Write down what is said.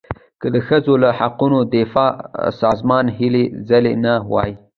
که د ښځو له حقونو دفاع سازمان هلې ځلې نه وای.